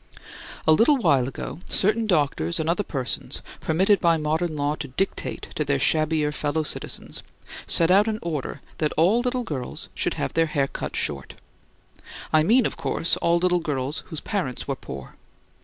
A little while ago certain doctors and other persons permitted by modern law to dictate to their shabbier fellow citizens, sent out an order that all little girls should have their hair cut short. I mean, of course, all little girls whose parents were poor.